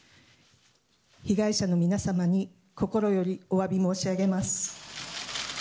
被害者の皆様に心よりおわび申し上げます。